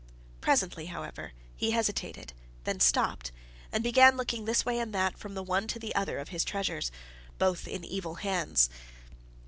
Presently, however, he hesitated, then stopped, and began looking this way and that from the one to the other of his treasures, both in evil hands.